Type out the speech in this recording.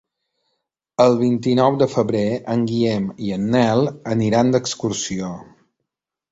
El vint-i-nou de febrer en Guillem i en Nel aniran d'excursió.